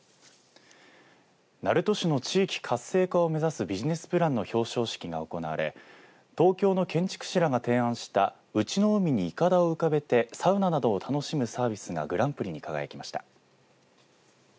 鳴門市の地域活性化を目指すビジネスプランの表彰式が行われ東京の建築士らが提案したウチノ海にいかだを浮かべてサウナなど楽しむサービスがグランプリに輝きました。